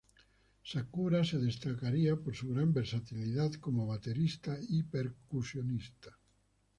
Sakura se destacaría por su gran versatilidad como baterista y percusionista.